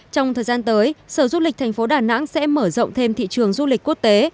trong thời gian tới sở du lịch thành phố đà nẵng sẽ mở rộng thêm thị trường du lịch quốc tế